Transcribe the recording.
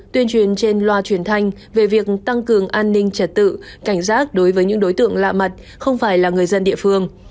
tuyên truyền trên loa truyền thanh về việc tăng cường an ninh trật tự cảnh giác đối với những đối tượng lạ mặt không phải là người dân địa phương